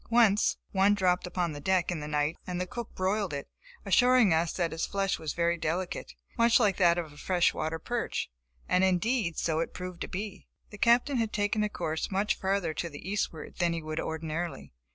Once one dropped upon the deck in the night and the cook broiled it, assuring us that its flesh was very delicate, much like that of a fresh water perch; and indeed, so it proved to be. The Captain had taken a course much further to the eastward than he would ordinarily.